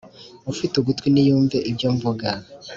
Ufite ugutwi niyumve ibyo mvuga